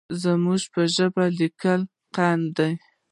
زموږ پر ژبو لکه قند لا